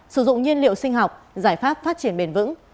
sử dụng nhiên liệu sinh học giải pháp phát triển bền vững